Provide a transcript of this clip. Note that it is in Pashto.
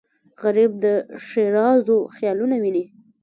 غریب د ښېرازو خیالونه ویني